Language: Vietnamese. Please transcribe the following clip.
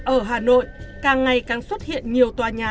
ở hà nội càng ngày càng xuất hiện nhiều tòa nhà